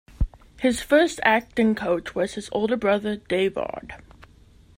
His first acting coach was his older brother, Davood.